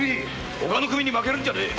他の組に負けるんじゃねえ！